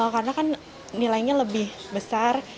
karena kan nilainya lebih besar